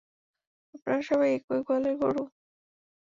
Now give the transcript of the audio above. আপনারা সবাই একই গোয়ালের গরু!